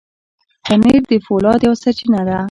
پنېر د فولاد یوه سرچینه ده.